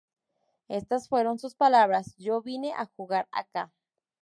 Estas fueron sus palabras:"Yo vine a jugar acá.